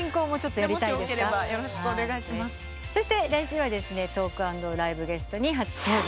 そして来週はトーク＆ライブゲストに初登場